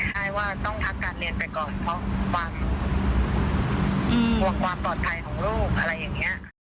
ใช่ว่าต้องพักการเรียนไปก่อนเพราะความกลัวความปลอดภัยของลูกอะไรอย่างนี้